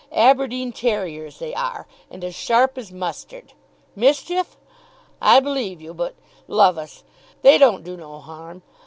Aberdeen terriers, they are, and as sharp as mustard. Mischief! I believe you, but, love us! they don't do no harm!